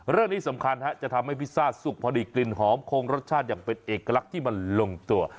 เรื่องนี้สำคัญจะทำให้พิซซ่าสุกพอดีกลิ่นหอมคงรสชาติอย่างเป็นเอกลักษณ์ที่มันลงตัว